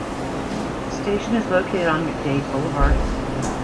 The station is located on MacDade Boulevard.